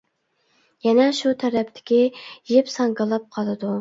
يەنە شۇ تەرەپتىكى يىپ ساڭگىلاپ قالىدۇ.